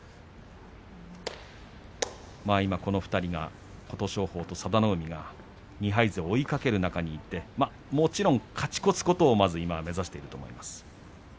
今、この２人が琴勝峰と佐田の海が２敗勢を追いかける中にいてもちろん勝ち越すことを今目指していると思います。